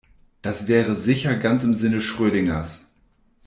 Das wäre sicher ganz im Sinne Schrödingers.